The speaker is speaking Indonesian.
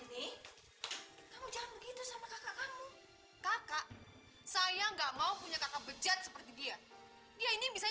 ini kamu jangan begitu sama kakak kamu kakak saya enggak mau punya kakak bejat seperti dia dia ini bisa